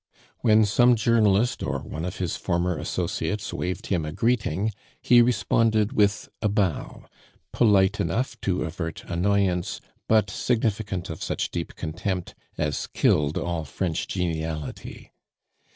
When some journalist or one of his former associates waved him a greeting, he responded with a bow, polite enough to avert annoyance, but significant of such deep contempt as killed all French geniality.